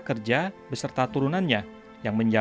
sehingga kita bisa memiliki kekuatan yang berbeda